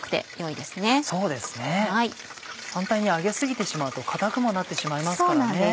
反対に揚げ過ぎてしまうと硬くもなってしまいますからね。